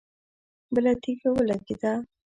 بله تيږه ولګېده.